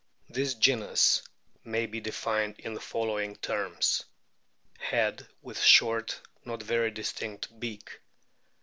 This genus may be defined in the following terms : Head with short, not very distinct, beak.